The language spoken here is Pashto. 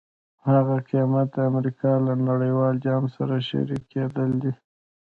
هغه قیمت د امریکا له نړیوال جال سره شریکېدل دي.